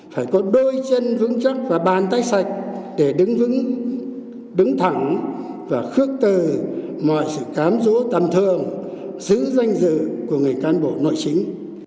phải có đôi chân vững chắc và bàn tay sạch để đứng vững đứng thẳng và khước từ mọi sự cám dỗ tầm thường giữ danh dự của người cán bộ nội chính